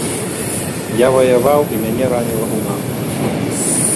Я ваяваў, і мяне раніла ў нагу.